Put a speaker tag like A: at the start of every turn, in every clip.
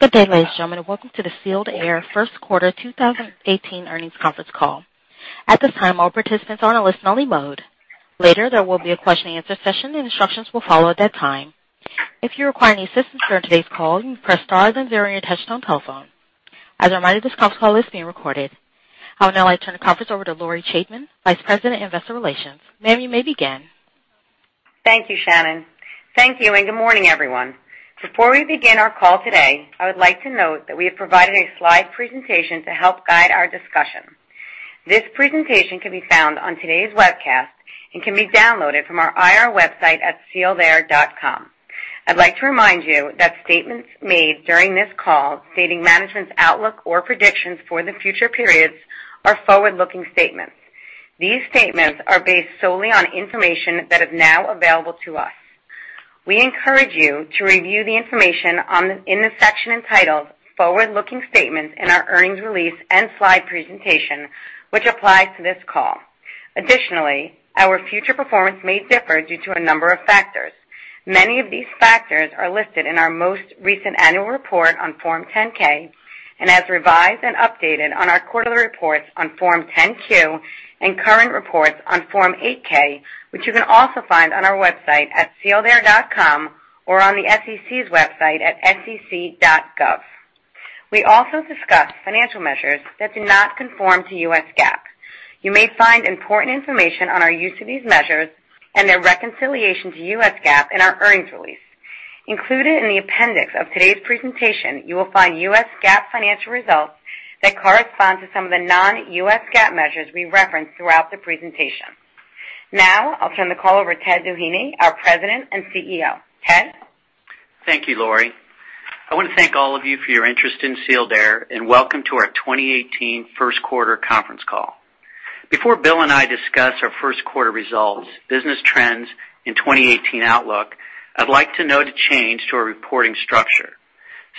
A: Good day, ladies and gentlemen, and welcome to the Sealed Air First Quarter 2018 Earnings Conference Call. At this time, all participants are in a listen-only mode. Later, there will be a question and answer session, and instructions will follow at that time. If you require any assistance during today's call, you may press star then zero on your touch-tone telephone. As a reminder, this conference call is being recorded. I would now like to turn the conference over to Lori Chaitman, Vice President of Investor Relations. Ma'am, you may begin.
B: Thank you, Shannon. Thank you, good morning, everyone. Before we begin our call today, I would like to note that we have provided a slide presentation to help guide our discussion. This presentation can be found on today's webcast and can be downloaded from our IR website at sealedair.com. I'd like to remind you that statements made during this call stating management's outlook or predictions for the future periods are forward-looking statements. These statements are based solely on information that is now available to us. We encourage you to review the information in the section entitled Forward-Looking Statements in our earnings release and slide presentation, which apply to this call. Additionally, our future performance may differ due to a number of factors. Many of these factors are listed in our most recent annual report on Form 10-K and as revised and updated on our quarterly reports on Form 10-Q and current reports on Form 8-K, which you can also find on our website at sealedair.com or on the SEC's website at sec.gov. We also discuss financial measures that do not conform to U.S. GAAP. You may find important information on our use of these measures and their reconciliation to U.S. GAAP in our earnings release. Included in the appendix of today's presentation, you will find U.S. GAAP financial results that correspond to some of the non-U.S. GAAP measures we reference throughout the presentation. Now, I'll turn the call over to Ted Doheny, our President and CEO. Ted?
C: Thank you, Lori. I want to thank all of you for your interest in Sealed Air, welcome to our 2018 first quarter conference call. Before Bill and I discuss our first quarter results, business trends, and 2018 outlook, I'd like to note a change to our reporting structure.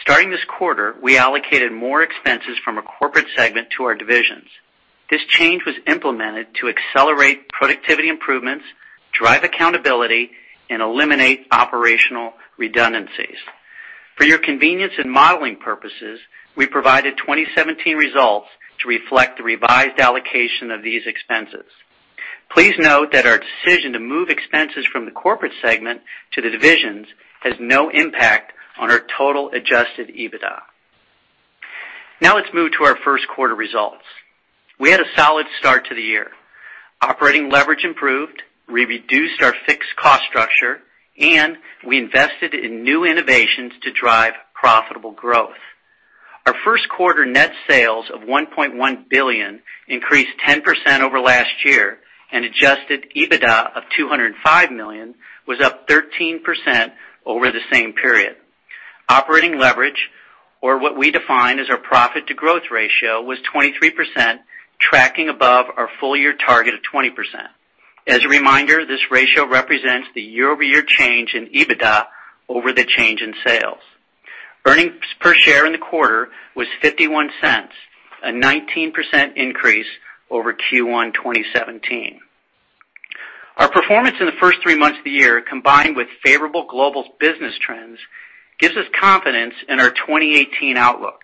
C: Starting this quarter, we allocated more expenses from a corporate segment to our divisions. This change was implemented to accelerate productivity improvements, drive accountability, and eliminate operational redundancies. For your convenience and modeling purposes, we provided 2017 results to reflect the revised allocation of these expenses. Please note that our decision to move expenses from the corporate segment to the divisions has no impact on our total adjusted EBITDA. Now let's move to our first quarter results. We had a solid start to the year. Operating leverage improved, we reduced our fixed cost structure, and we invested in new innovations to drive profitable growth. Our first quarter net sales of $1.1 billion increased 10% over last year, and adjusted EBITDA of $205 million was up 13% over the same period. Operating leverage, or what we define as our profit-to-growth ratio, was 23%, tracking above our full-year target of 20%. As a reminder, this ratio represents the year-over-year change in EBITDA over the change in sales. Earnings per share in the quarter was $0.51, a 19% increase over Q1 2017. Our performance in the first three months of the year, combined with favorable global business trends, gives us confidence in our 2018 outlook.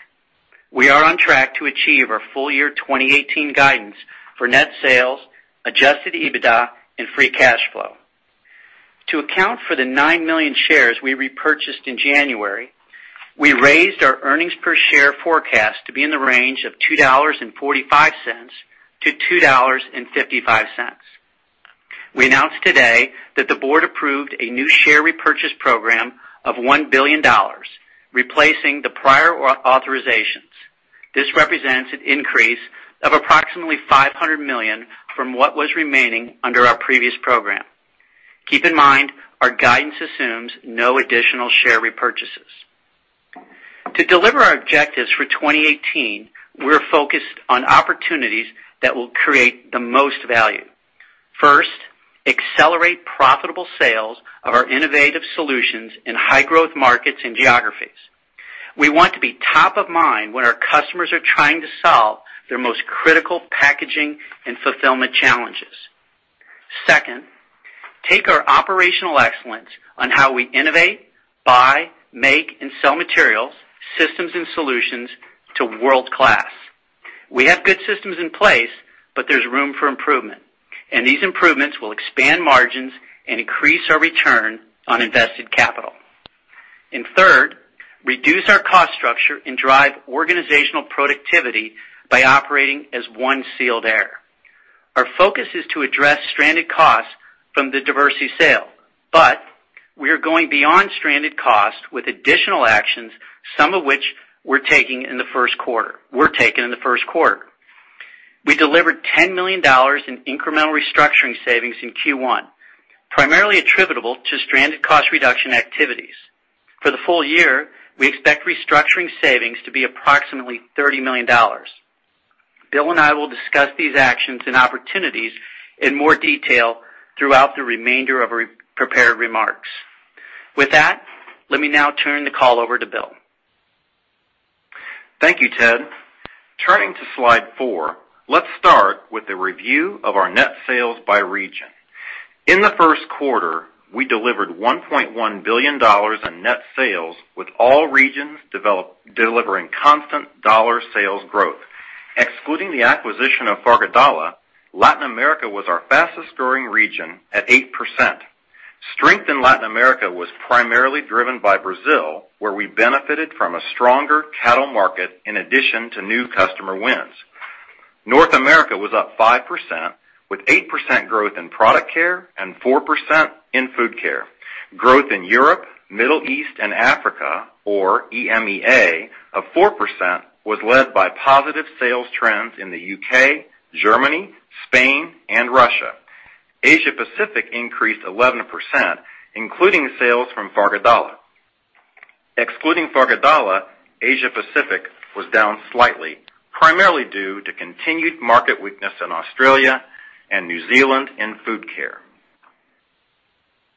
C: We are on track to achieve our full-year 2018 guidance for net sales, adjusted EBITDA, and free cash flow. To account for the 9 million shares we repurchased in January, we raised our earnings per share forecast to be in the range of $2.45-$2.55. We announced today that the board approved a new share repurchase program of $1 billion, replacing the prior authorizations. This represents an increase of approximately $500 million from what was remaining under our previous program. Keep in mind, our guidance assumes no additional share repurchases. To deliver our objectives for 2018, we're focused on opportunities that will create the most value. First, accelerate profitable sales of our innovative solutions in high-growth markets and geographies. We want to be top of mind when our customers are trying to solve their most critical packaging and fulfillment challenges. Second, take our operational excellence on how we innovate, buy, make, and sell materials, systems, and solutions to world-class. We have good systems in place, but there's room for improvement, and these improvements will expand margins and increase our return on invested capital. Third, reduce our cost structure and drive organizational productivity by operating as one Sealed Air. Our focus is to address stranded costs from the Diversey sale, but we are going beyond stranded costs with additional actions, some of which were taken in the first quarter. We delivered $10 million in incremental restructuring savings in Q1, primarily attributable to stranded cost reduction activities. For the full year, we expect restructuring savings to be approximately $30 million. Bill and I will discuss these actions and opportunities in more detail throughout the remainder of our prepared remarks. With that, let me now turn the call over to Bill.
D: Thank you, Ted. Turning to slide four, let's start with a review of our net sales by region. In the first quarter, we delivered $1.1 billion in net sales, with all regions delivering constant dollar sales growth. Excluding the acquisition of Fagerdala, Latin America was our fastest-growing region at 8%. Strength in Latin America was primarily driven by Brazil, where we benefited from a stronger cattle market in addition to new customer wins. North America was up 5%, with 8% growth in Product Care and 4% in Food Care. Growth in Europe, Middle East, and Africa, or EMEA, of 4% was led by positive sales trends in the U.K., Germany, Spain, and Russia. Asia-Pacific increased 11%, including sales from Fagerdala. Excluding Fagerdala, Asia-Pacific was down slightly, primarily due to continued market weakness in Australia and New Zealand in Food Care.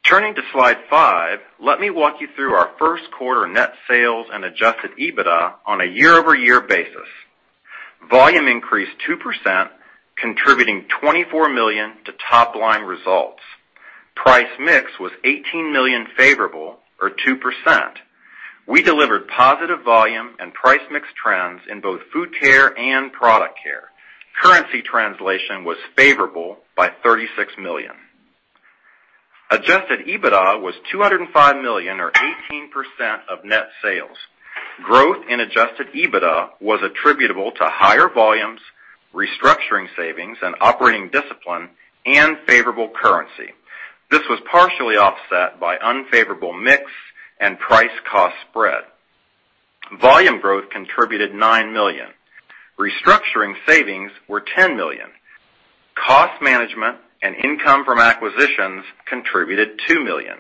D: Turning to slide five, let me walk you through our first quarter net sales and Adjusted EBITDA on a year-over-year basis. Volume increased 2%, contributing $24 million to top-line results. Price mix was $18 million favorable or 2%. We delivered positive volume and price mix trends in both Food Care and Product Care. Currency translation was favorable by $36 million. Adjusted EBITDA was $205 million or 18% of net sales. Growth in Adjusted EBITDA was attributable to higher volumes, restructuring savings, operating discipline, and favorable currency. This was partially offset by unfavorable mix and price cost spread. Volume growth contributed $9 million. Restructuring savings were $10 million. Cost management and income from acquisitions contributed $2 million.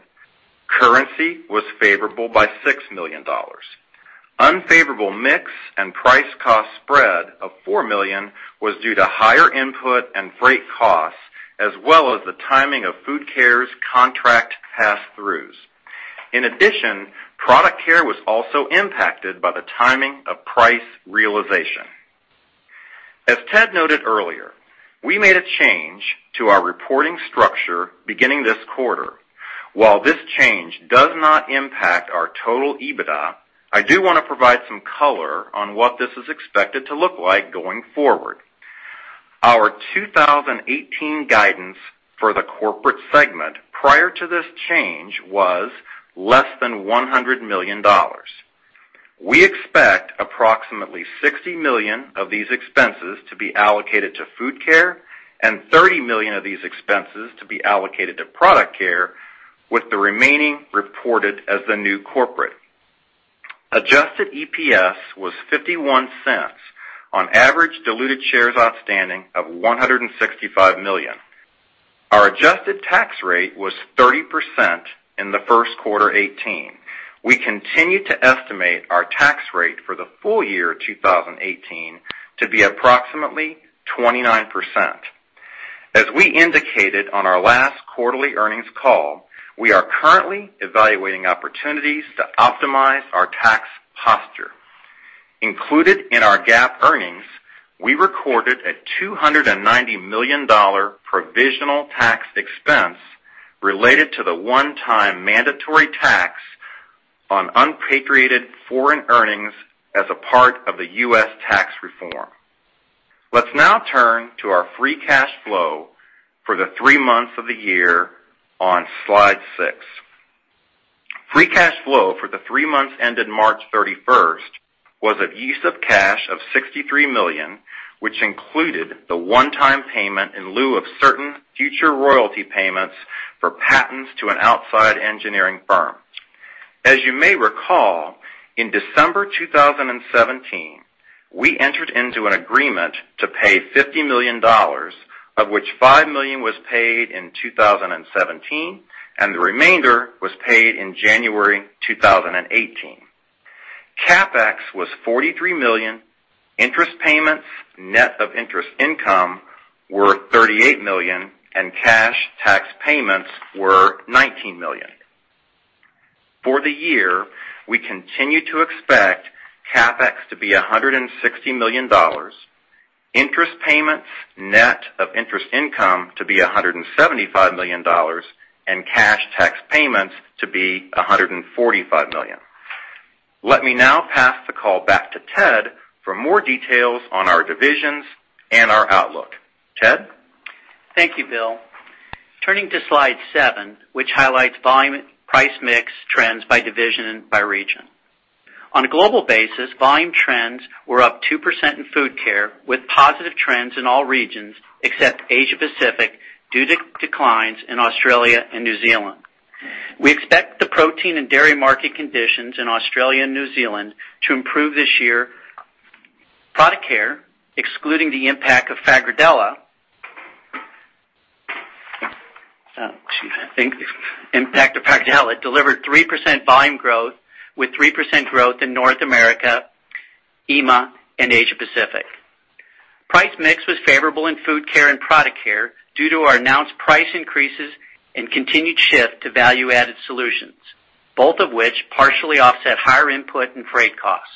D: Currency was favorable by $6 million. Unfavorable mix and price cost spread of $4 million was due to higher input and freight costs, as well as the timing of Food Care's contract pass-throughs. Product Care was also impacted by the timing of price realization. As Ted noted earlier, we made a change to our reporting structure beginning this quarter. While this change does not impact our total EBITDA, I do want to provide some color on what this is expected to look like going forward. Our 2018 guidance for the corporate segment prior to this change was less than $100 million. We expect approximately $60 million of these expenses to be allocated to Food Care and $30 million of these expenses to be allocated to Product Care, with the remaining reported as the new corporate. Adjusted EPS was $0.51 on average diluted shares outstanding of 165 million. Our adjusted tax rate was 30% in the first quarter 2018. We continue to estimate our tax rate for the full year 2018 to be approximately 29%. We indicated on our last quarterly earnings call, we are currently evaluating opportunities to optimize our tax posture. Included in our GAAP earnings, we recorded a $290 million provisional tax expense related to the one-time mandatory tax on unpatriated foreign earnings as a part of the U.S. tax reform. Let's now turn to our free cash flow for the three months of the year on slide six. Free cash flow for the three months ended March 31st was a use of cash of $63 million, which included the one-time payment in lieu of certain future royalty payments for patents to an outside engineering firm. As you may recall, in December 2017, we entered into an agreement to pay $50 million, of which $5 million was paid in 2017, and the remainder was paid in January 2018. CapEx was $43 million, interest payments net of interest income were $38 million, and cash tax payments were $19 million. For the year, we continue to expect CapEx to be $160 million, interest payments net of interest income to be $175 million, and cash tax payments to be $145 million. Let me now pass the call back to Ted for more details on our divisions and our outlook. Ted?
C: Thank you, Bill. Turning to Slide seven, which highlights volume price mix trends by division and by region. On a global basis, volume trends were up 2% in Food Care, with positive trends in all regions except Asia-Pacific, due to declines in Australia and New Zealand. We expect the protein and dairy market conditions in Australia and New Zealand to improve this year. Product Care, excluding the impact of Fagerdala, delivered 3% volume growth with 3% growth in North America, EMEA, and Asia-Pacific. Price mix was favorable in Food Care and Product Care due to our announced price increases and continued shift to value-added solutions, both of which partially offset higher input and freight costs.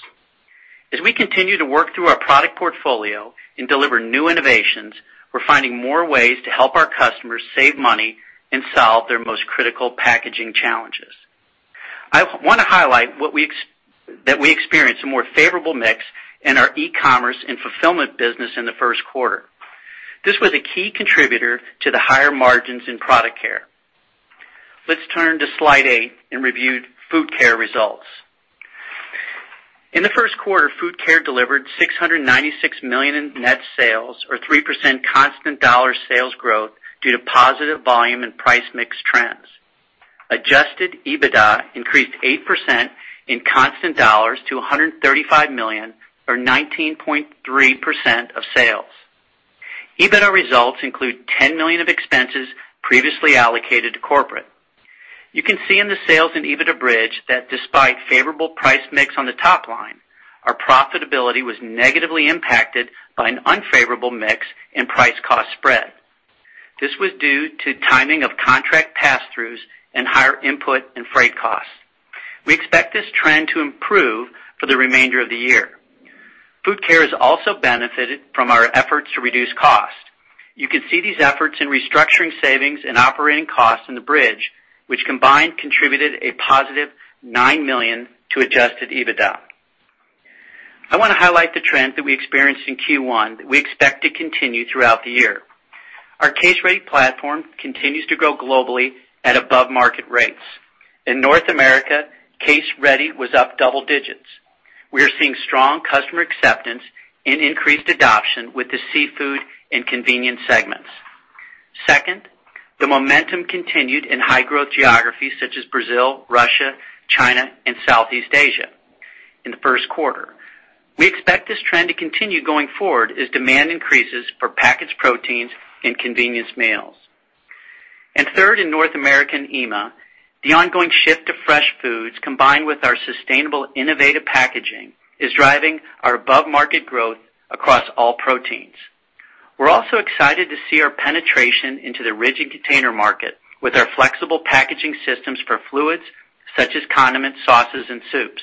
C: We continue to work through our product portfolio and deliver new innovations, we're finding more ways to help our customers save money and solve their most critical packaging challenges. I want to highlight that we experienced a more favorable mix in our e-commerce and fulfillment business in the first quarter. This was a key contributor to the higher margins in Product Care. Let's turn to Slide eight and review Food Care results. In the first quarter, Food Care delivered $696 million in net sales or 3% constant dollar sales growth due to positive volume and price mix trends. Adjusted EBITDA increased 8% in constant dollars to $135 million or 19.3% of sales. EBITDA results include $10 million of expenses previously allocated to corporate. You can see in the sales and EBITDA bridge that despite favorable price mix on the top line, our profitability was negatively impacted by an unfavorable mix and price cost spread. This was due to timing of contract passthroughs and higher input and freight costs. We expect this trend to improve for the remainder of the year. Food Care has also benefited from our efforts to reduce costs. You can see these efforts in restructuring savings and operating costs in the bridge, which combined contributed a positive $9 million to adjusted EBITDA. I want to highlight the trend that we experienced in Q1 that we expect to continue throughout the year. Our case-ready platform continues to grow globally at above-market rates. In North America, case-ready was up double digits. We are seeing strong customer acceptance and increased adoption with the seafood and convenience segments. Second, the momentum continued in high-growth geographies such as Brazil, Russia, China, and Southeast Asia in the first quarter. We expect this trend to continue going forward as demand increases for packaged proteins and convenience meals. Third, in North America and EMEA, the ongoing shift to fresh foods, combined with our sustainable, innovative packaging, is driving our above-market growth across all proteins. We're also excited to see our penetration into the rigid container market with our flexible packaging systems for fluids such as condiments, sauces, and soups.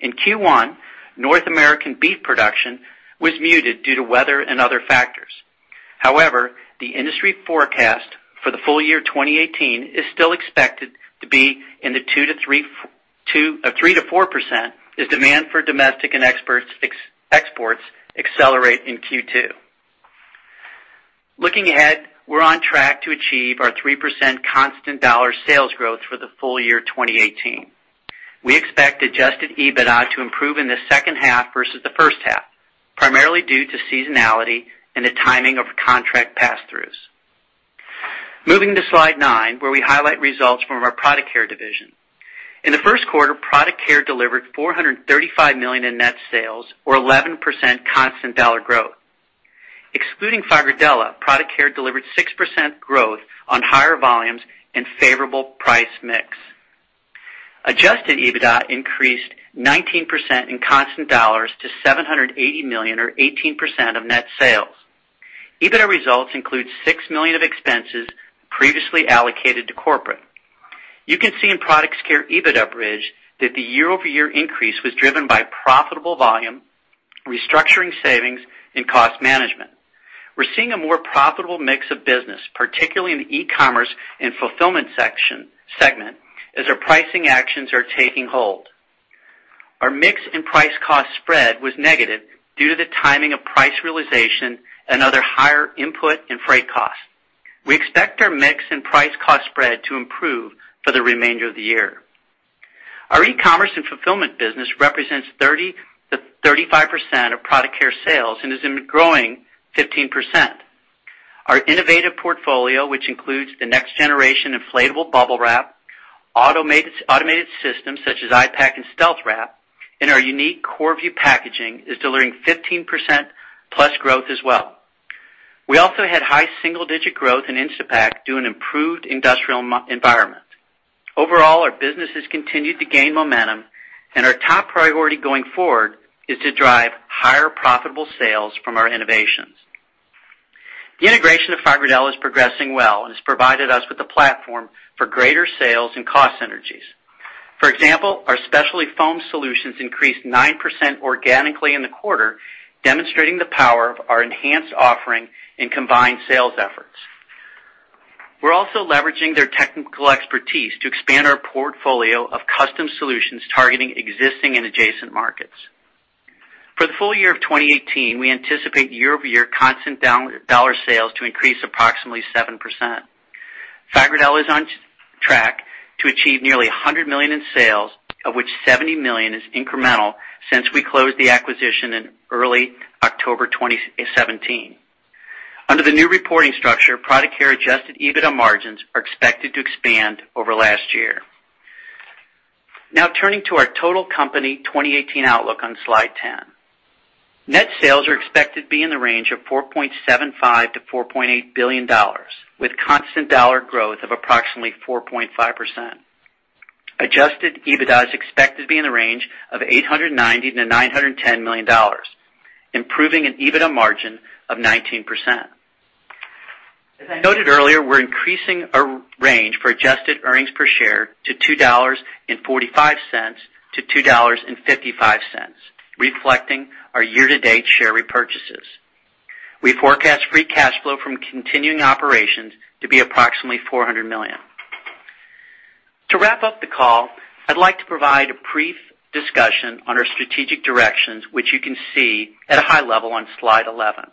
C: In Q1, North American beef production was muted due to weather and other factors. However, the industry forecast for the full year 2018 is still expected to be in the 3%-4% as demand for domestic and exports accelerate in Q2. Looking ahead, we're on track to achieve our 3% constant dollar sales growth for the full year 2018. We expect Adjusted EBITDA to improve in the second half versus the first half, primarily due to seasonality and the timing of contract passthroughs. Moving to Slide 9, where we highlight results from our Product Care division. In the first quarter, Product Care delivered $435 million in net sales or 11% constant dollar growth. Excluding Fagerdala, Product Care delivered 6% growth on higher volumes and favorable price mix. Adjusted EBITDA increased 19% in constant dollars to $780 million or 18% of net sales. EBITDA results include $6 million of expenses previously allocated to corporate. You can see in Product Care EBITDA bridge that the year-over-year increase was driven by profitable volume, restructuring savings, and cost management. We're seeing a more profitable mix of business, particularly in the e-commerce and fulfillment segment, as our pricing actions are taking hold. Our mix and price cost spread was negative due to the timing of price realization and other higher input and freight costs. We expect our mix and price cost spread to improve for the remainder of the year. Our e-commerce and fulfillment business represents 30%-35% of Product Care sales and has been growing 15%. Our innovative portfolio, which includes the next-generation inflatable Bubble Wrap, automated systems such as I-Pack and StealthWrap, and our unique Korrvu packaging, is delivering 15% plus growth as well. We also had high single-digit growth in Instapak due an improved industrial environment. Overall, our business has continued to gain momentum, and our top priority going forward is to drive higher profitable sales from our innovations. The integration of Fagerdala is progressing well and has provided us with a platform for greater sales and cost synergies. For example, our specialty foam solutions increased 9% organically in the quarter, demonstrating the power of our enhanced offering and combined sales efforts. We're also leveraging their technical expertise to expand our portfolio of custom solutions targeting existing and adjacent markets. For the full year of 2018, we anticipate year-over-year constant dollar sales to increase approximately 7%. Fagerdala is on track to achieve nearly $100 million in sales, of which $70 million is incremental since we closed the acquisition in early October 2017. Under the new reporting structure, Product Care Adjusted EBITDA margins are expected to expand over last year. Now, turning to our total company 2018 outlook on Slide 10. Net sales are expected to be in the range of $4.75 billion-$4.8 billion, with constant dollar growth of approximately 4.5%. Adjusted EBITDA is expected to be in the range of $890 million-$910 million, improving an EBITDA margin of 19%. As I noted earlier, we're increasing our range for Adjusted earnings per share to $2.45-$2.55, reflecting our year-to-date share repurchases. We forecast free cash flow from continuing operations to be approximately $400 million. To wrap up the call, I'd like to provide a brief discussion on our strategic directions, which you can see at a high level on Slide 11.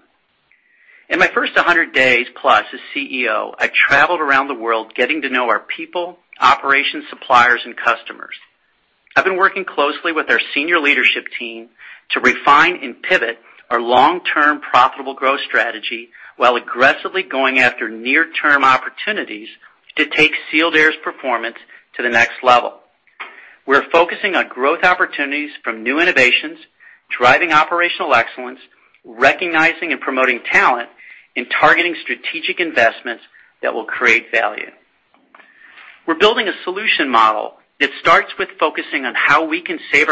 C: In my first 100 days plus as CEO, I've traveled around the world getting to know our people, operations, suppliers, and customers. I've been working closely with our senior leadership team to refine and pivot our long-term profitable growth strategy while aggressively going after near-term opportunities to take Sealed Air's performance to the next level. We're focusing on growth opportunities from new innovations, driving operational excellence, recognizing and promoting talent, and targeting strategic investments that will create value. We're building a solution model that starts with focusing on how we can solve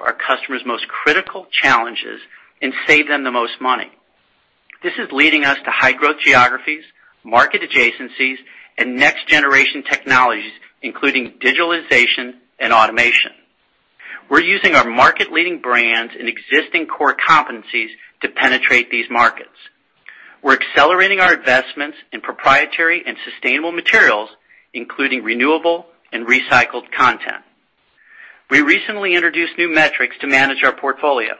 C: our customers' most critical challenges and save them the most money. This is leading us to high-growth geographies, market adjacencies, and next-generation technologies, including digitalization and automation. We're using our market-leading brands and existing core competencies to penetrate these markets. We're accelerating our investments in proprietary and sustainable materials, including renewable and recycled content. We recently introduced new metrics to manage our portfolio.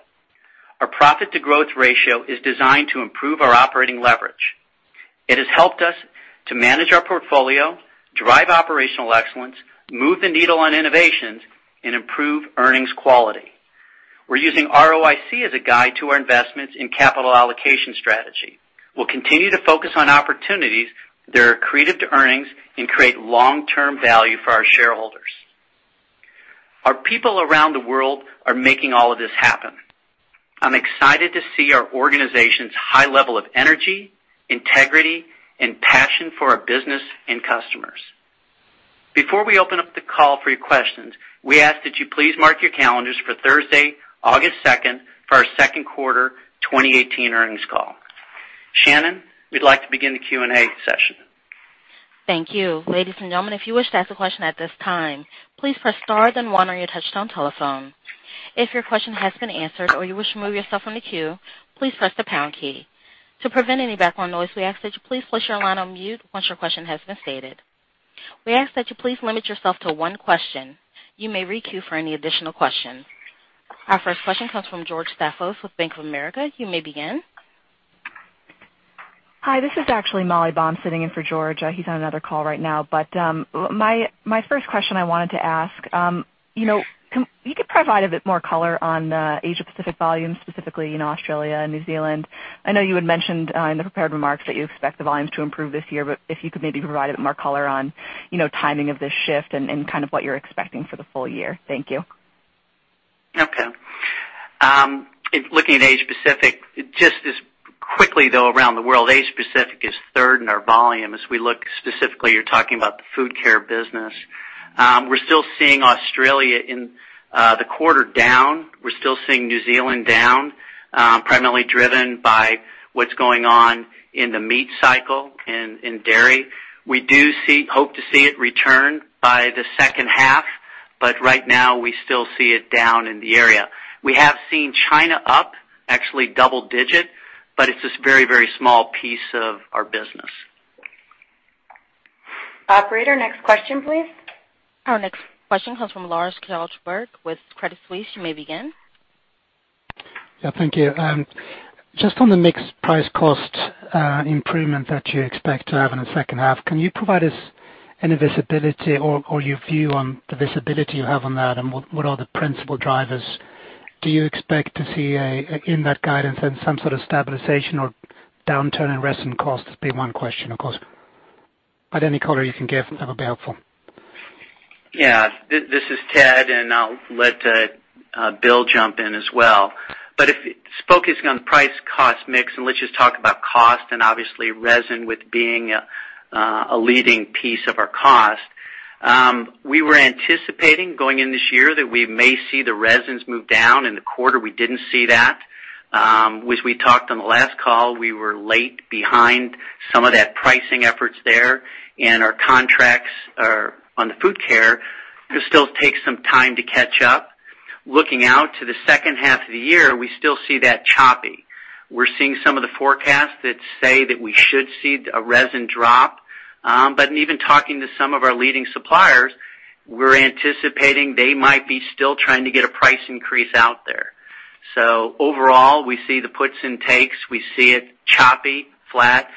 C: Our profit-to-growth ratio is designed to improve our operating leverage. It has helped us to manage our portfolio, drive operational excellence, move the needle on innovations, and improve earnings quality. We're using ROIC as a guide to our investments in capital allocation strategy. We'll continue to focus on opportunities that are accretive to earnings and create long-term value for our shareholders. Our people around the world are making all of this happen. I'm excited to see our organization's high level of energy, integrity, and passion for our business and customers. Before we open up the call for your questions, we ask that you please mark your calendars for Thursday, August 2nd, for our second quarter 2018 earnings call. Shannon, we'd like to begin the Q&A session.
A: Thank you. Ladies and gentlemen, if you wish to ask a question at this time, please press star then one on your touchtone telephone. If your question has been answered or you wish to remove yourself from the queue, please press the pound key. To prevent any background noise, we ask that you please place your line on mute once your question has been stated. We ask that you please limit yourself to one question. You may re-queue for any additional questions. Our first question comes from George Staphos with Bank of America. You may begin.
E: Hi. This is actually Molly Baum sitting in for George. He's on another call right now. My first question I wanted to ask, if you could provide a bit more color on the Asia-Pacific volume, specifically in Australia and New Zealand. I know you had mentioned in the prepared remarks that you expect the volumes to improve this year, but if you could maybe provide a bit more color on timing of this shift and kind of what you're expecting for the full year. Thank you.
C: Okay. In looking at Asia-Pacific, just as quickly though around the world, Asia-Pacific is third in our volume. As we look specifically, you're talking about the Food Care business. We're still seeing Australia in the quarter down. We're still seeing New Zealand down, primarily driven by what's going on in the meat cycle and in dairy. We do hope to see it return by the second half, but right now, we still see it down in the area. We have seen China up, actually double digit, but it's this very, very small piece of our business.
A: Operator, next question, please. Our next question comes from Lars Kjellberg with Credit Suisse. You may begin.
F: Yeah, thank you. Just on the mix price cost improvement that you expect to have in the second half, can you provide us any visibility or your view on the visibility you have on that, and what are the principal drivers? Do you expect to see in that guidance then some sort of stabilization or downturn in resin costs? That'd be one question, of course. Any color you can give, that would be helpful.
C: Yeah. This is Ted, and I'll let Bill jump in as well. Just focusing on price cost mix, let's just talk about cost and obviously resin with being a leading piece of our cost. We were anticipating going in this year that we may see the resins move down in the quarter. We didn't see that. As we talked on the last call, we were late behind some of that pricing efforts there, our contracts are on the Food Care could still take some time to catch up. Looking out to the second half of the year, we still see that choppy. We're seeing some of the forecasts that say that we should see a resin drop. In even talking to some of our leading suppliers, we're anticipating they might be still trying to get a price increase out there. Overall, we see the puts and takes. We see it choppy, flat,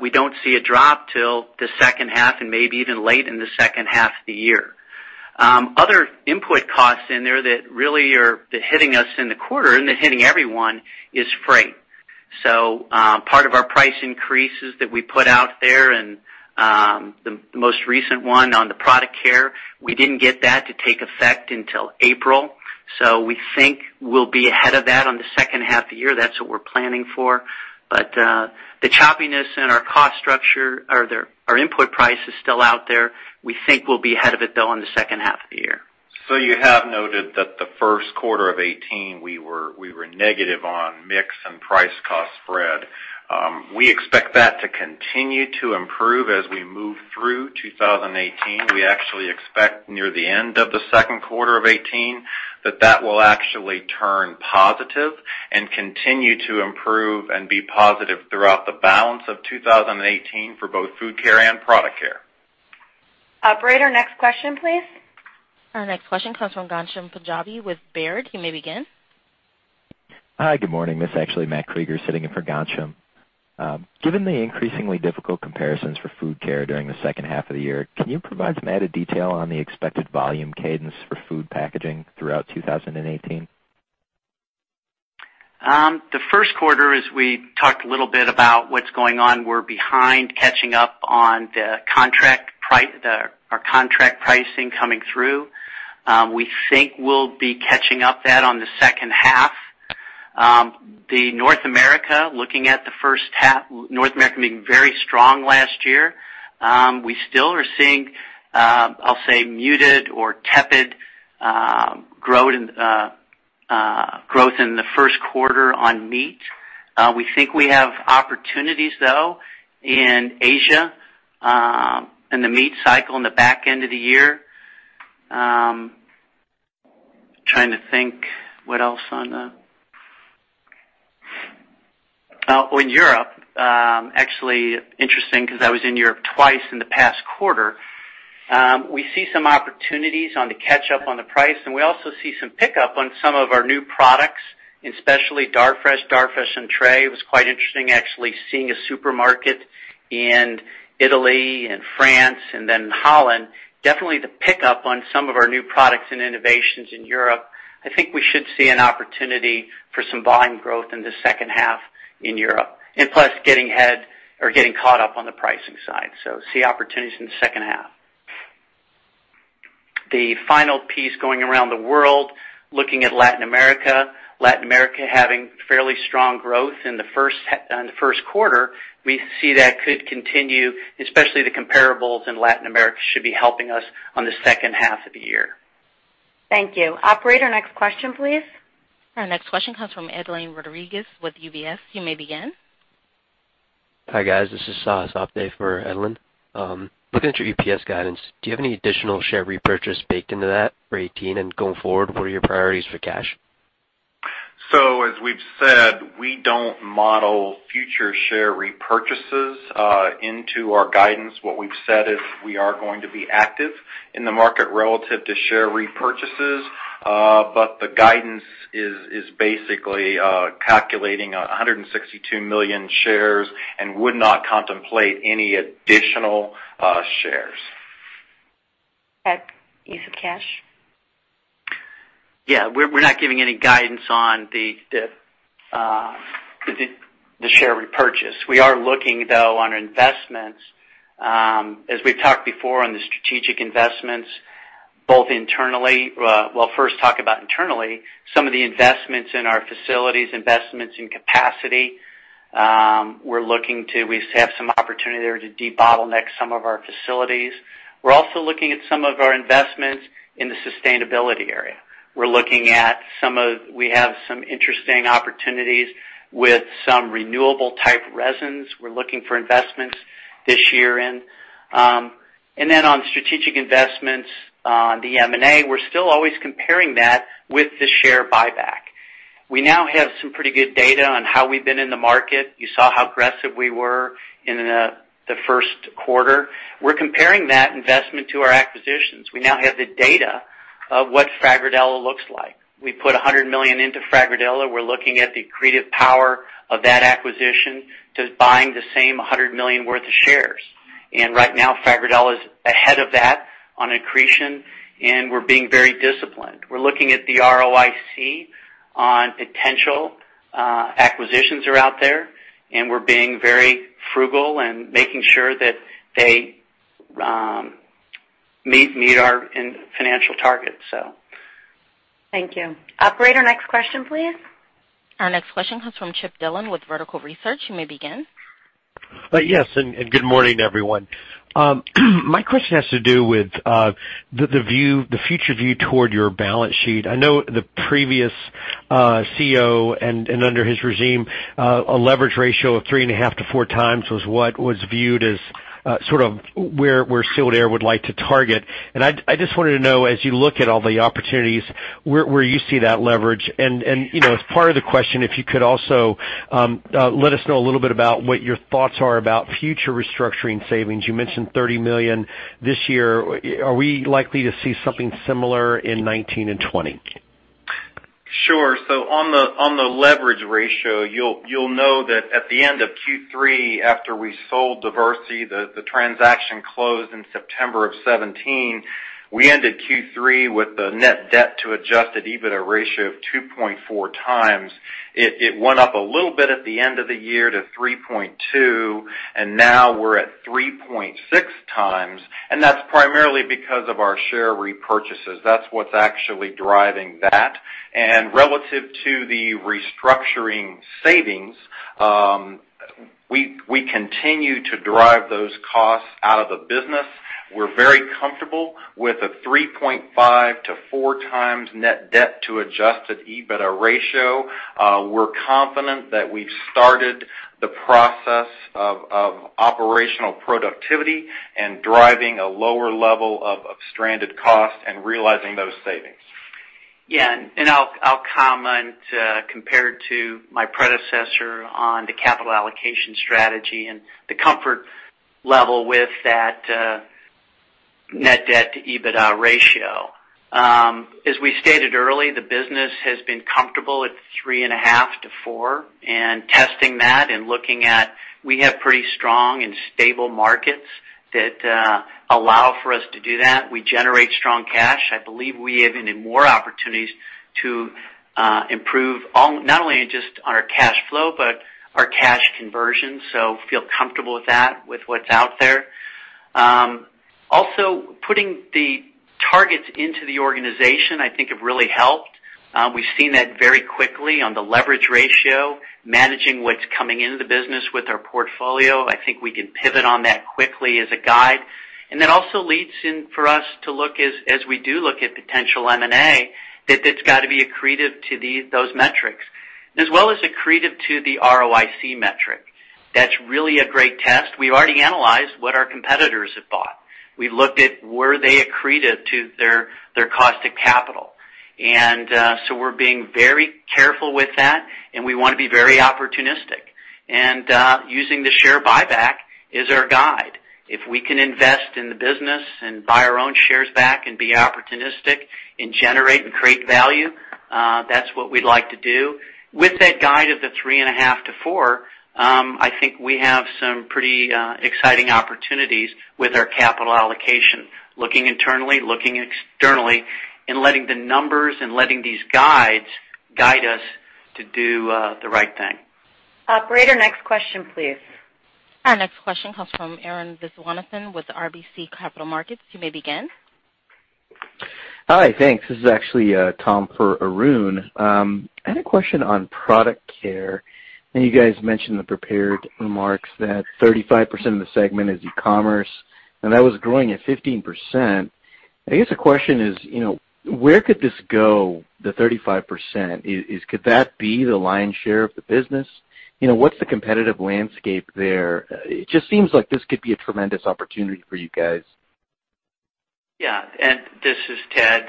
C: we don't see a drop till the second half and maybe even late in the second half of the year. Other input costs in there that really are hitting us in the quarter and they're hitting everyone, is freight. Part of our price increases that we put out there and the most recent one on the Product Care, we didn't get that to take effect until April. We think we'll be ahead of that on the second half of the year. That's what we're planning for. The choppiness in our cost structure or our input price is still out there. We think we'll be ahead of it though, in the second half of the year.
D: You have noted that the first quarter of 2018, we were negative on mix and price cost spread. We expect that to continue to improve as we move through 2018. We actually expect near the end of the second quarter of 2018 that that will actually turn positive and continue to improve and be positive throughout the balance of 2018 for both Food Care and Product Care.
B: Operator, next question, please.
A: Our next question comes from Ghansham Panjabi with Baird. You may begin.
G: Hi, good morning. This is actually Matthew Krueger sitting in for Ghansham. Given the increasingly difficult comparisons for Food Care during the second half of the year, can you provide some added detail on the expected volume cadence for food packaging throughout 2018?
C: The first quarter, as we talked a little bit about what's going on, we're behind catching up on our contract pricing coming through. We think we'll be catching up that on the second half. The North America, looking at the first half, North America being very strong last year. We still are seeing, I'll say, muted or tepid growth in the first quarter on meat. We think we have opportunities though in Asia, in the meat cycle in the back end of the year. In Europe, actually interesting because I was in Europe twice in the past quarter. We see some opportunities on the catch up on the price, and we also see some pickup on some of our new products, especially Darfresh. Darfresh on Tray. It was quite interesting actually seeing a supermarket in Italy and France and then Holland. Definitely the pickup on some of our new products and innovations in Europe. I think we should see an opportunity for some volume growth in the second half in Europe. Plus getting ahead or getting caught up on the pricing side. See opportunities in the second half. The final piece going around the world, looking at Latin America. Latin America having fairly strong growth in the first quarter. We see that could continue, especially the comparables in Latin America should be helping us on the second half of the year.
B: Thank you. Operator, next question, please.
A: Our next question comes from Edlain Rodriguez with UBS. You may begin.
H: Hi, guys. This is Saswat Dey for Edlain. Looking at your EPS guidance, do you have any additional share repurchase baked into that for 2018? Going forward, what are your priorities for cash?
D: As we've said, we don't model future share repurchases into our guidance. What we've said is we are going to be active in the market relative to share repurchases. The guidance is basically calculating 162 million shares and would not contemplate any additional shares.
B: Ed, use of cash?
C: Yeah. We're not giving any guidance on the share repurchase. We are looking though on investments, as we've talked before on the strategic investments, both internally, some of the investments in our facilities, investments in capacity. We have some opportunity there to debottleneck some of our facilities. We're also looking at some of our investments in the sustainability area. We have some interesting opportunities with some renewable type resins we're looking for investments this year in. On strategic investments, the M&A, we're still always comparing that with the share buyback. We now have some pretty good data on how we've been in the market. You saw how aggressive we were in the first quarter. We're comparing that investment to our acquisitions. We now have the data of what Fagerdala looks like. We put $100 million into Fagerdala. We're looking at the accretive power of that acquisition to buying the same $100 million worth of shares. Right now, Fagerdala is ahead of that on accretion, and we're being very disciplined. We're looking at the ROIC on potential acquisitions are out there, and we're being very frugal and making sure that they meet our financial targets.
B: Thank you. Operator, next question, please.
A: Our next question comes from Chip Dillon with Vertical Research. You may begin.
I: Good morning, everyone. My question has to do with the future view toward your balance sheet. I know the previous CEO and under his regime, a leverage ratio of 3.5 to 4 times was what was viewed as sort of where Sealed Air would like to target. I just wanted to know, as you look at all the opportunities, where you see that leverage and, as part of the question, if you could also let us know a little bit about what your thoughts are about future restructuring savings. You mentioned $30 million this year. Are we likely to see something similar in 2019 and 2020?
D: On the leverage ratio, you'll know that at the end of Q3, after we sold Diversey, the transaction closed in September of 2017. We ended Q3 with a net debt to adjusted EBITDA ratio of 2.4 times. It went up a little bit at the end of the year to 3.2, and now we're at 3.6 times, that's primarily because of our share repurchases. That's what's actually driving that. Relative to the restructuring savings, we continue to drive those costs out of the business. We're very comfortable with a 3.5 to 4 times net debt to adjusted EBITDA ratio. We're confident that we've started the process of operational productivity and driving a lower level of stranded costs and realizing those savings.
C: I'll comment, compared to my predecessor on the capital allocation strategy and the comfort level with that net debt to EBITDA ratio. As we stated early, the business has been comfortable at 3.5 to 4 and testing that and looking at, we have pretty strong and stable markets that allow for us to do that. We generate strong cash. I believe we even have more opportunities to improve, not only in just on our cash flow, but our cash conversion. Feel comfortable with that, with what's out there. Putting the targets into the organization, I think it really helped. We've seen that very quickly on the leverage ratio, managing what's coming into the business with our portfolio. I think we can pivot on that quickly as a guide. That also leads in for us to look as we do look at potential M&A, that it's got to be accretive to those metrics. As well as accretive to the ROIC metric. That's really a great test. We've already analyzed what our competitors have bought. We've looked at were they accretive to their cost of capital. We're being very careful with that, and we want to be very opportunistic. Using the share buyback is our guide. If we can invest in the business and buy our own shares back and be opportunistic and generate and create value, that's what we'd like to do. With that guide of the 3.5 to 4, I think we have some pretty exciting opportunities with our capital allocation, looking internally, looking externally, and letting the numbers and letting these guides, guide us to do the right thing.
B: Operator, next question, please.
A: Our next question comes from Arun Viswanathan with RBC Capital Markets. You may begin.
J: Hi, thanks. This is actually Tom for Arun. I had a question on Product Care. I know you guys mentioned the prepared remarks that 35% of the segment is e-commerce, and that was growing at 15%. I guess the question is, where could this go, the 35%? Could that be the lion's share of the business? What's the competitive landscape there? It just seems like this could be a tremendous opportunity for you guys.
C: Yeah. This is Ted.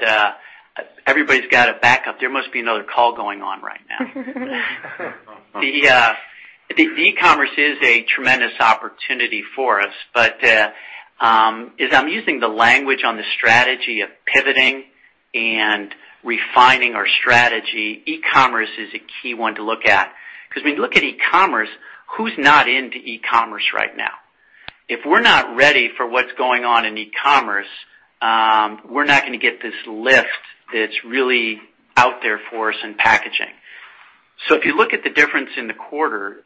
C: Everybody's got a backup. There must be another call going on right now. The e-commerce is a tremendous opportunity for us. As I'm using the language on the strategy of pivoting and refining our strategy, e-commerce is a key one to look at. When you look at e-commerce, who's not into e-commerce right now? If we're not ready for what's going on in e-commerce, we're not going to get this lift that's really out there for us in packaging. If you look at the difference in the quarter,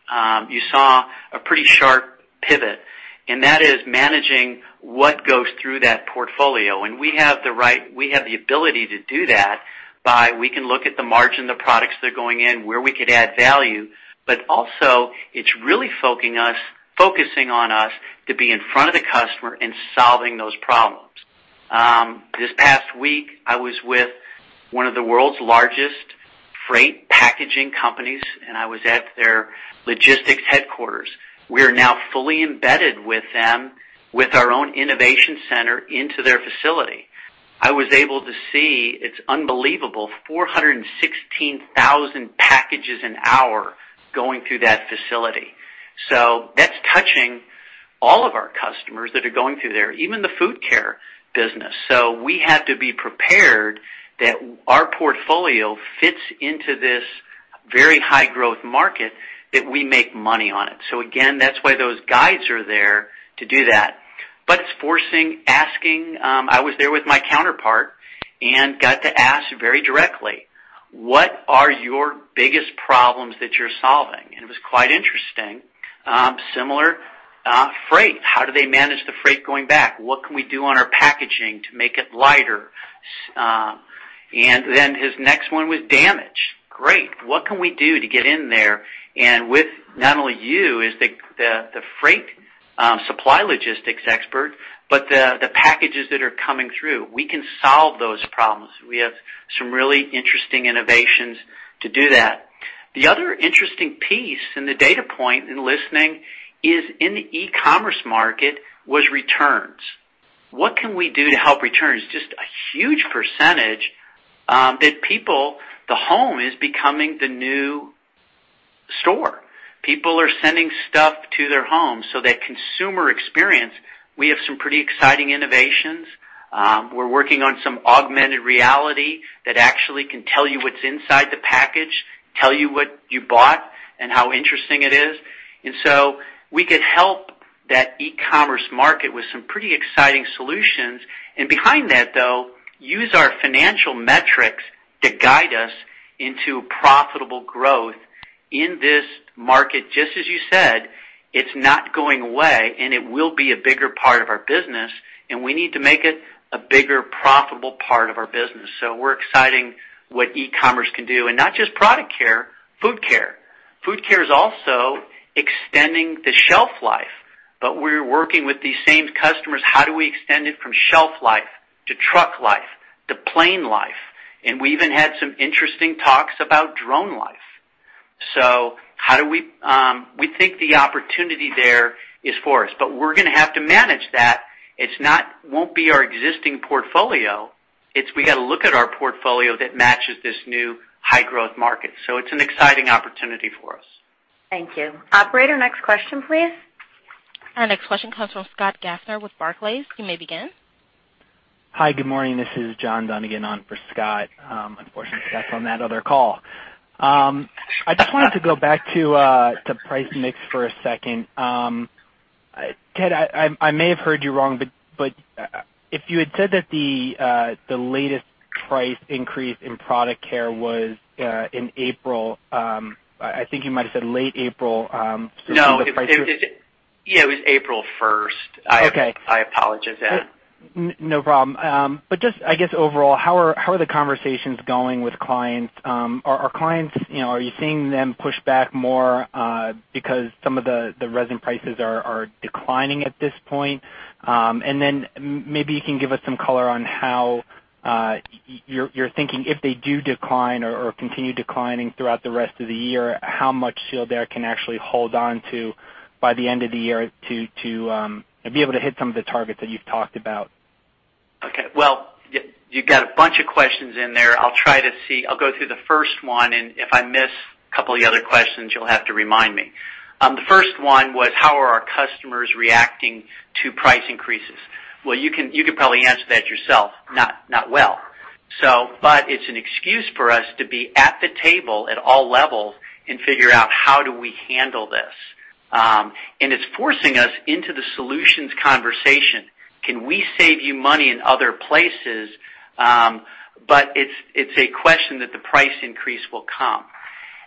C: you saw a pretty sharp pivot, and that is managing what goes through that portfolio. We have the ability to do that by, we can look at the margin, the products that are going in, where we could add value, but also it's really focusing on us to be in front of the customer and solving those problems. This past week, I was with one of the world's largest freight packaging companies, and I was at their logistics headquarters. We are now fully embedded with them with our own innovation center into their facility. I was able to see, it's unbelievable, 416,000 packages an hour going through that facility. That's touching all of our customers that are going through there, even the Food Care business. We have to be prepared that our portfolio fits into this very high growth market, that we make money on it. Again, that's why those guides are there to do that. It's forcing asking. I was there with my counterpart and got to ask very directly, "What are your biggest problems that you're solving?" It was quite interesting. Similar, freight. How do they manage the freight going back? What can we do on our packaging to make it lighter? His next one was damage. Great. What can we do to get in there, and with not only you as the freight supply logistics expert, but the packages that are coming through. We can solve those problems. We have some really interesting innovations to do that. The other interesting piece in the data point in listening is in the e-commerce market was returns. What can we do to help returns? Just a huge percentage, that people, the home is becoming the new store. People are sending stuff to their homes. That consumer experience, we have some pretty exciting innovations. We're working on some augmented reality that actually can tell you what's inside the package, tell you what you bought, and how interesting it is. We could help that e-commerce market with some pretty exciting solutions, and behind that, though, use our financial metrics to guide us into profitable growth in this market, just as you said, it's not going away, and it will be a bigger part of our business, and we need to make it a bigger, profitable part of our business. We're exciting what e-commerce can do. Not just Product Care, Food Care. Food Care is also extending the shelf life. We're working with these same customers, how do we extend it from shelf life to truck life, to plane life? We even had some interesting talks about drone life. We think the opportunity there is for us. We're going to have to manage that. It won't be our existing portfolio. We got to look at our portfolio that matches this new high growth market. It's an exciting opportunity for us.
B: Thank you. Operator, next question, please.
A: Our next question comes from Scott Gaffner with Barclays. You may begin.
K: Hi, good morning. This is John Dunnigan on for Scott. Unfortunately, Scott's on that other call. I just wanted to go back to price mix for a second. Ted, I may have heard you wrong, but if you had said that the latest price increase in Product Care was in April, I think you might have said late April-
C: No. It was April 1st.
K: Okay.
C: I apologize, Ed.
K: Just, I guess, overall, how are the conversations going with clients? Are you seeing them push back more because some of the resin prices are declining at this point? Then maybe you can give us some color on how you're thinking, if they do decline or continue declining throughout the rest of the year, how much Sealed Air can actually hold on to by the end of the year to be able to hit some of the targets that you've talked about?
C: Okay. Well, you got a bunch of questions in there. I'll go through the first one. If I miss a couple of the other questions, you'll have to remind me. The first one was, how are our customers reacting to price increases? Well, you could probably answer that yourself. Not well. It's an excuse for us to be at the table at all levels and figure out how do we handle this. It's forcing us into the solutions conversation. Can we save you money in other places? It's a question that the price increase will come.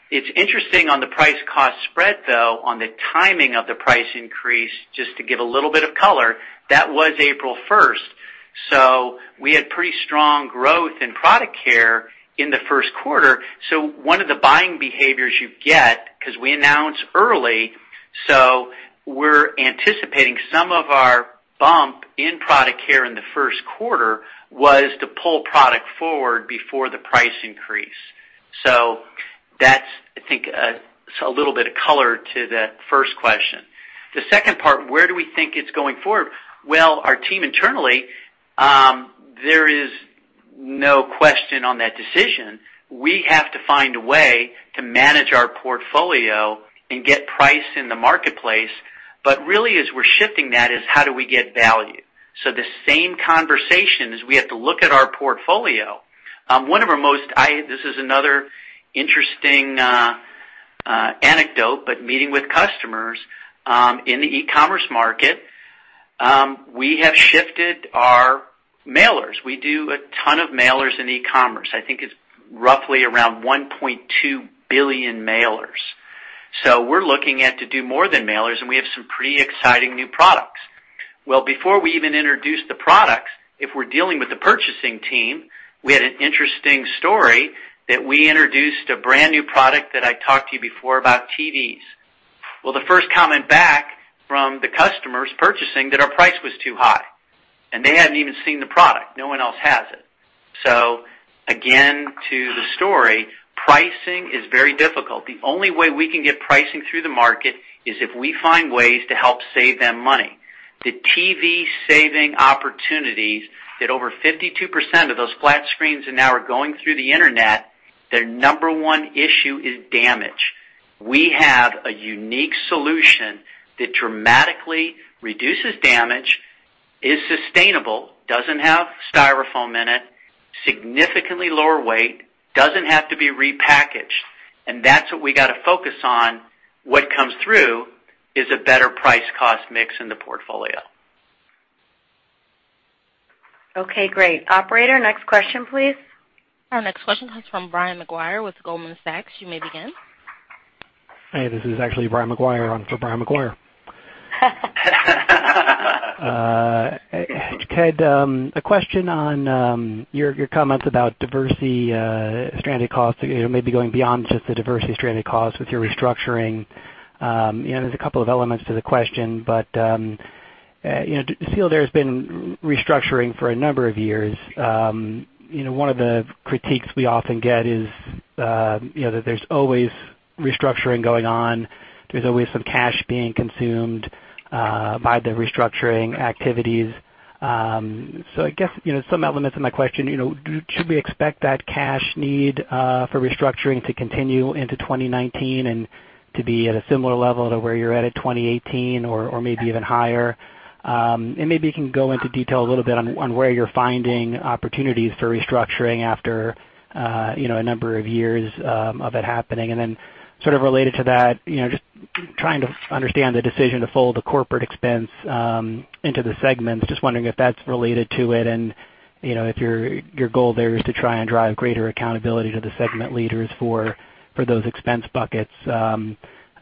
C: It's interesting on the price cost spread, though, on the timing of the price increase, just to give a little bit of color, that was April 1st. We had pretty strong growth in Product Care in the first quarter. One of the buying behaviors you get, because we announced early, so we're anticipating some of our bump in Product Care in the first quarter was to pull product forward before the price increase. That's, I think, a little bit of color to that first question. The second part, where do we think it's going forward? Well, our team internally, there is no question on that decision. We have to find a way to manage our portfolio and get price in the marketplace. Really, as we're shifting that is how do we get value? The same conversation is we have to look at our portfolio. This is another interesting anecdote, meeting with customers in the e-commerce market, we have shifted our mailers. We do a ton of mailers in e-commerce. I think it's roughly around 1.2 billion mailers. We're looking to do more than mailers, we have some pretty exciting new products. Before we even introduce the products, if we're dealing with the purchasing team, we had an interesting story that we introduced a brand new product that I talked to you before about TVs. The first comment back from the customers purchasing, that our price was too high. They hadn't even seen the product. No one else has it. Again, to the story, pricing is very difficult. The only way we can get pricing through the market is if we find ways to help save them money. The TV saving opportunities that over 52% of those flat screens are now going through the internet, their number 1 issue is damage. We have a unique solution that dramatically reduces damage, is sustainable, doesn't have Styrofoam in it, significantly lower weight, doesn't have to be repackaged. That's what we got to focus on. What comes through is a better price cost mix in the portfolio.
B: Great. Operator, next question, please.
A: Our next question comes from Brian Maguire with Goldman Sachs. You may begin.
L: Hey, this is actually Brian Maguire on for Brian Maguire. Ted, a question on your comments about Diversey stranded costs, maybe going beyond just the Diversey stranded costs with your restructuring. There's a couple of elements to the question. Sealed Air's been restructuring for a number of years. One of the critiques we often get is that there's always restructuring going on. There's always some cash being consumed by the restructuring activities. I guess, some elements of my question, should we expect that cash need for restructuring to continue into 2019 and to be at a similar level to where you're at at 2018 or maybe even higher? Maybe you can go into detail a little bit on where you're finding opportunities for restructuring after a number of years of it happening. Sort of related to that, just trying to understand the decision to fold the corporate expense into the segments. Just wondering if that's related to it and if your goal there is to try and drive greater accountability to the segment leaders for those expense buckets.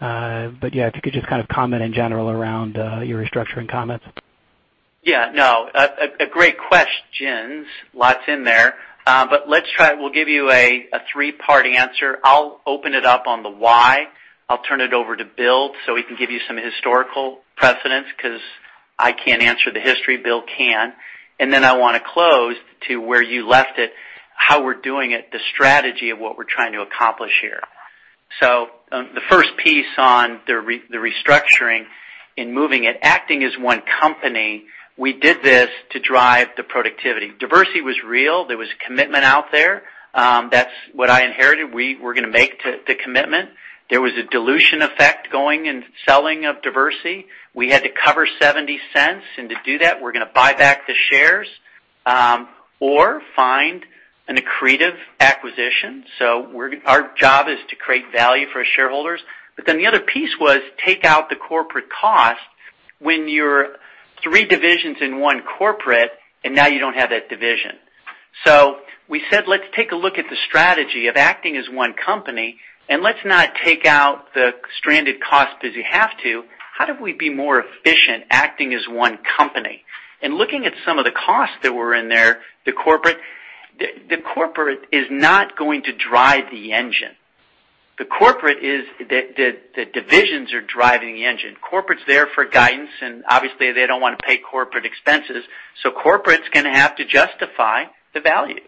L: Yeah, if you could just comment in general around your restructuring comments.
C: Yeah, no. Great questions. Lots in there. We'll give you a three-part answer. I'll open it up on the why. I'll turn it over to Bill so he can give you some historical precedents, because I can't answer the history, Bill can. I want to close to where you left it, how we're doing it, the strategy of what we're trying to accomplish here. The first piece on the restructuring and moving it, acting as one company, we did this to drive the productivity. Diversey was real. There was commitment out there. That's what I inherited. We're going to make the commitment. There was a dilution effect going in selling of Diversey. We had to cover $0.70, to do that, we're going to buy back the shares or find an accretive acquisition. Our job is to create value for our shareholders. The other piece was take out the corporate cost when you're three divisions in one corporate, and now you don't have that division. We said, let's take a look at the strategy of acting as one company, and let's not take out the stranded cost as you have to. How do we be more efficient acting as one company? Looking at some of the costs that were in there, the corporate is not going to drive the engine. The divisions are driving the engine. Corporate's there for guidance, and obviously they don't want to pay corporate expenses, so corporate's going to have to justify the value.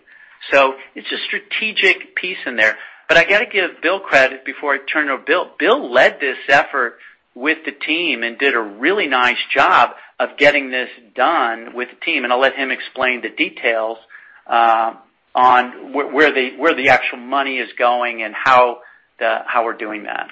C: It's a strategic piece in there. I got to give Bill credit before I turn it over to Bill. Bill led this effort with the team and did a really nice job of getting this done with the team, and I'll let him explain the details on where the actual money is going and how we're doing that.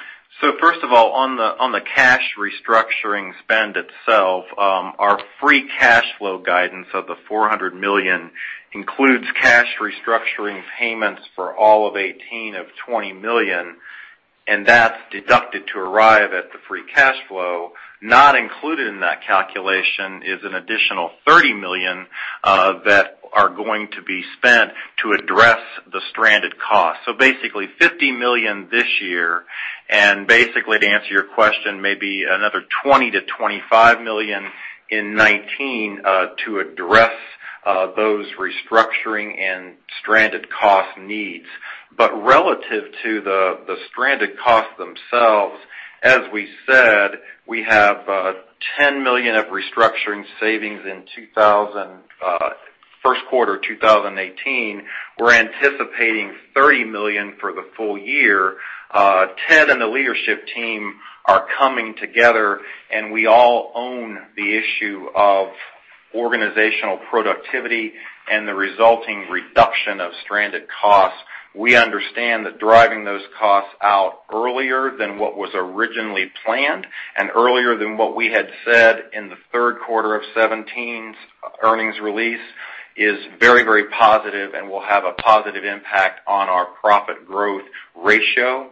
D: First of all, on the cash restructuring spend itself, our free cash flow guidance of the $400 million includes cash restructuring payments for all of 2018 of $20 million, and that's deducted to arrive at the free cash flow. Not included in that calculation is an additional $30 million that are going to be spent to address the stranded costs. Basically $50 million this year, and basically to answer your question, maybe another $20 million-$25 million in 2019 to address those restructuring and stranded cost needs. Relative to the stranded costs themselves, as we said, we have $10 million of restructuring savings in first quarter 2018. We're anticipating $30 million for the full year. Ted and the leadership team are coming together, and we all own the issue of organizational productivity and the resulting reduction of stranded costs. We understand that driving those costs out earlier than what was originally planned and earlier than what we had said in the third quarter of 2017's earnings release is very positive and will have a positive impact on our profit-to-growth ratio.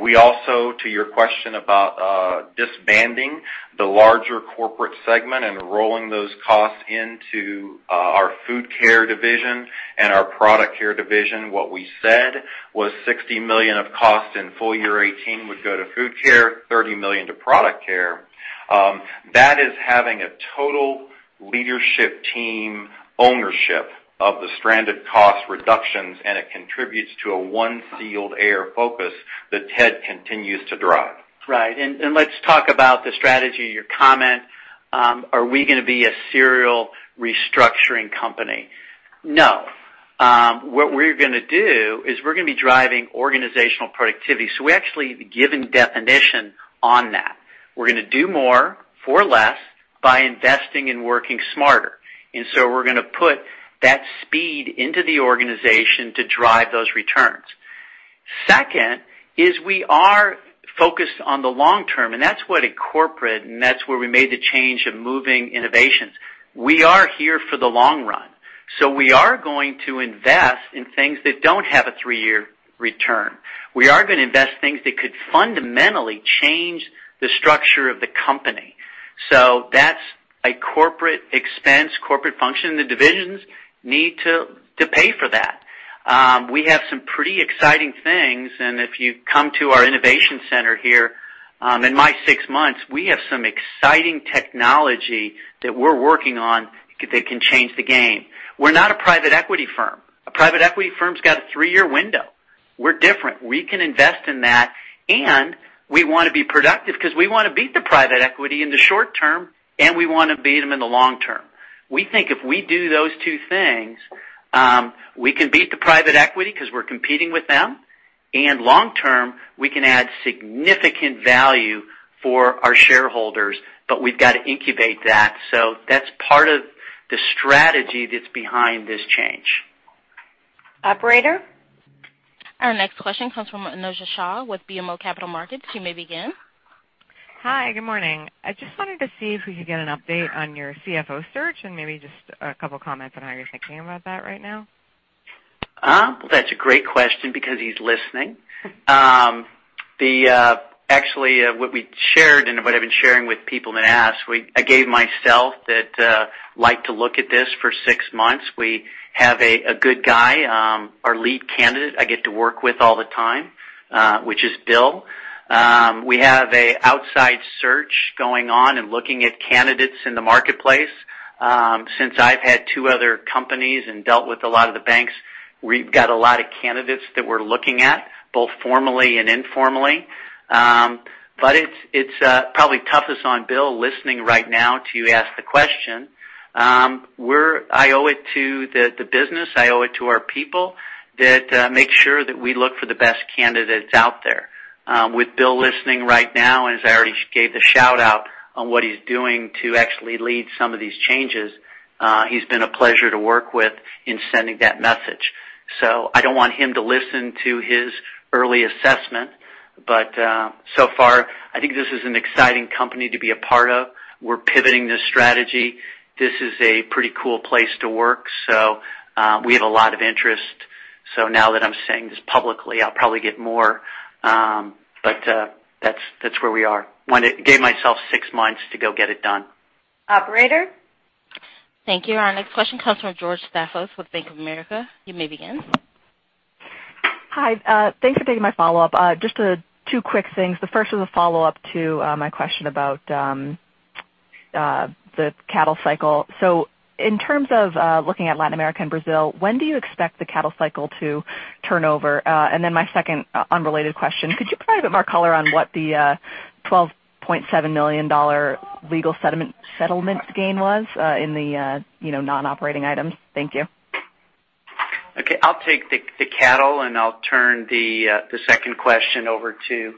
D: We also, to your question about disbanding the larger corporate segment and rolling those costs into our Food Care division and our Product Care division, what we said was $60 million of cost in full year 2018 would go to Food Care, $30 million to Product Care. That is having a total leadership team ownership of the stranded cost reductions, and it contributes to a one Sealed Air focus that Ted continues to drive.
C: Right. Let's talk about the strategy, your comment, are we going to be a serial restructuring company? No. What we're going to do is we're going to be driving organizational productivity. We actually have given definition on that. We're going to do more for less by investing and working smarter. We're going to put that speed into the organization to drive those returns. Second is we are focused on the long term, and that's what a corporate, and that's where we made the change of moving innovations. We are here for the long run. We are going to invest in things that don't have a three-year return. We are going to invest things that could fundamentally change the structure of the company. That's a corporate expense, corporate function. The divisions need to pay for that. We have some pretty exciting things, if you come to our innovation center here, in my six months, we have some exciting technology that we're working on that can change the game. We're not a private equity firm. A private equity firm's got a three-year window. We're different. We can invest in that, and we want to be productive because we want to beat the private equity in the short term, and we want to beat them in the long term. We think if we do those two things, we can beat the private equity because we're competing with them, and long term, we can add significant value for our shareholders, but we've got to incubate that. That's part of the strategy that's behind this change.
L: Operator?
A: Our next question comes from Anojja Shah with BMO Capital Markets. You may begin.
M: Hi, good morning. I just wanted to see if we could get an update on your CFO search and maybe just a couple comments on how you're thinking about that right now.
C: That's a great question because he's listening. Actually, what we shared and what I've been sharing with people that ask, I gave myself that like to look at this for six months. We have a good guy, our lead candidate I get to work with all the time, which is Bill. We have an outside search going on and looking at candidates in the marketplace. Since I've had two other companies and dealt with a lot of the banks, we've got a lot of candidates that we're looking at, both formally and informally. It's probably toughest on Bill listening right now to you ask the question. I owe it to the business, I owe it to our people that make sure that we look for the best candidates out there. With Bill listening right now, as I already gave the shout-out on what he's doing to actually lead some of these changes, he's been a pleasure to work with in sending that message. I don't want him to listen to his early assessment, but so far I think this is an exciting company to be a part of. We're pivoting this strategy. This is a pretty cool place to work. We have a lot of interest. Now that I'm saying this publicly, I'll probably get more. That's where we are. Gave myself six months to go get it done.
B: Operator?
A: Thank you. Our next question comes from George Staphos with Bank of America. You may begin.
E: Hi, thanks for taking my follow-up. Just two quick things. The first is a follow-up to my question about the cattle cycle. In terms of looking at Latin America and Brazil, when do you expect the cattle cycle to turn over? My second unrelated question, could you provide a bit more color on what the $12.8 million legal settlement gain was in the non-operating items? Thank you.
C: Okay, I'll take the cattle and I'll turn the second question over to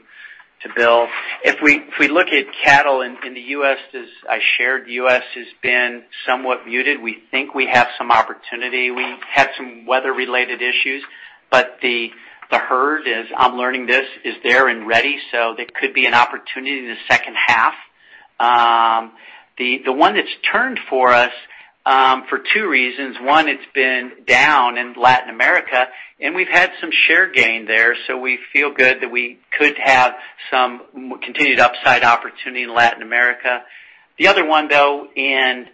C: Bill. If we look at cattle in the U.S., as I shared, the U.S. has been somewhat muted. We think we have some opportunity. We had some weather-related issues, but the herd, as I'm learning this, is there and ready, so there could be an opportunity in the second half. The one that's turned for us for two reasons, one, it's been down in Latin America, and we've had some share gain there, so we feel good that we could have some continued upside opportunity in Latin America. The other one, though, in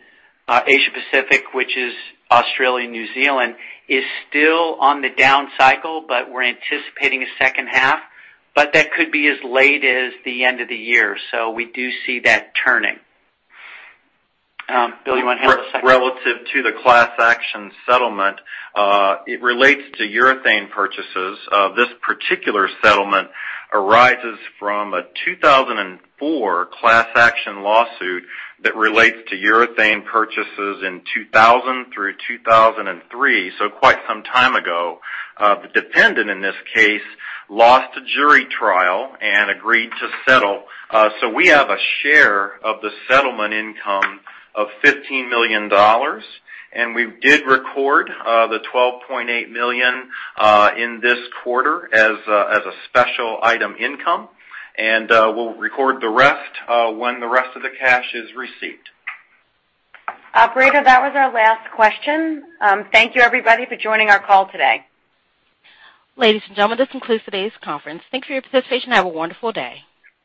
C: Asia Pacific, which is Australia and New Zealand, is still on the down cycle, but we're anticipating a second half, but that could be as late as the end of the year. We do see that turning. Bill, you want to handle the second?
D: Relative to the class action settlement, it relates to urethane purchases. This particular settlement arises from a 2004 class action lawsuit that relates to urethane purchases in 2000 through 2003, quite some time ago. The defendant in this case lost a jury trial and agreed to settle. We have a share of the settlement income of $15 million, we did record the $12.8 million in this quarter as a special item income. We'll record the rest when the rest of the cash is received.
B: Operator, that was our last question. Thank you, everybody, for joining our call today.
A: Ladies and gentlemen, this concludes today's conference. Thank you for your participation. Have a wonderful day.